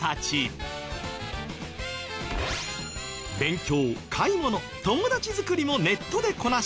勉強買い物友達づくりもネットでこなし